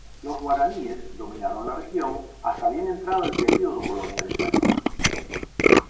Los guaraníes dominaron la región hasta bien entrado el período colonial español.